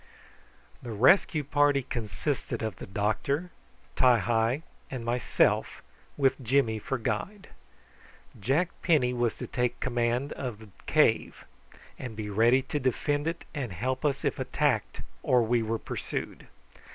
The rescue party consisted of the doctor, Ti hi, and myself, with Jimmy for guide. Jack Penny was to take command of the cave, and be ready to defend it and help us if attacked or we were pursued.